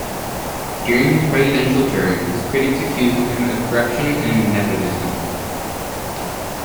During his presidential term, his critics accused him of corruption and nepotism.